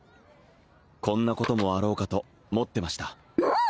こんなこともあろうかと持ってましたおおっ！